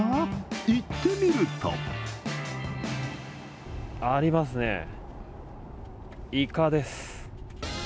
行ってみるとありますね、いかです。